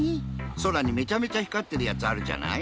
そらにめちゃめちゃ光ってるやつあるじゃない？